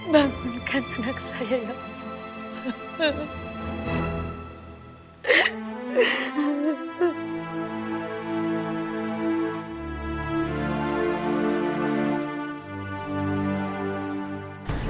bangunkan anak saya ya